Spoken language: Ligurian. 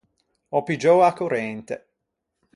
Ò piggiou a corrente.